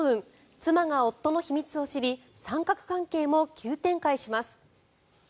妻が夫の秘密を知り三角関係も急展開します。